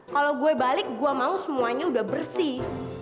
kalau gue balik gue mau semuanya udah bersih